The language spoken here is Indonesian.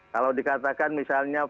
kalau dikatakan misalnya